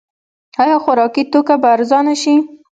آیا خوراکي توکي به ارزانه شي؟